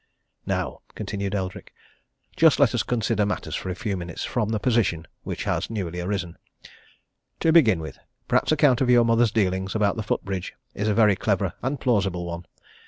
"Now," continued Eldrick, "just let us consider matters for a few minutes from the position which has newly arisen. To begin with. Pratt's account of your mother's dealings about the foot bridge is a very clever and plausible one.